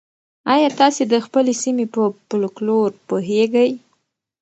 ایا تاسي د خپلې سیمې په فولکلور پوهېږئ؟